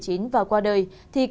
thì cư dân mạng vẫn tiếp tục